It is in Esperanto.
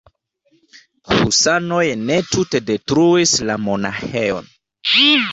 Husanoj ne tute detruis la monaĥejon.